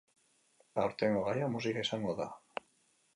Aurtengo gaia musika izango da.